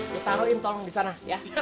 lu taruhin tolong di sana ya